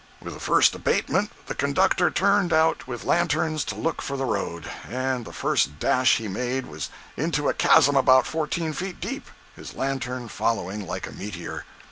With the first abatement the conductor turned out with lanterns to look for the road, and the first dash he made was into a chasm about fourteen feet deep, his lantern following like a meteor.